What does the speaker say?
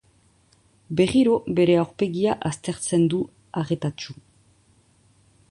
Berriro bere aurpegia aztertzen du arretatsu.